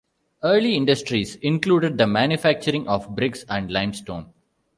Early industries included the manufacturing of bricks and limestone.